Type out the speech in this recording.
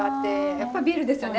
やっぱりビールですよね！